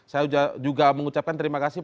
saya juga mengucapkan terima kasih